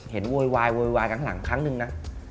เห็นโวยวายครั้งหลังครั้งหนึ่งนะ